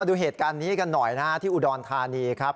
ดูเหตุการณ์นี้กันหน่อยนะฮะที่อุดรธานีครับ